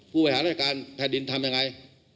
ผู้บริหารราชการแผ่นดินทำยังไง